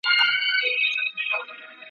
دا وروستی ګلاب د اوړي چي تنها ښکاریږي ښکلی `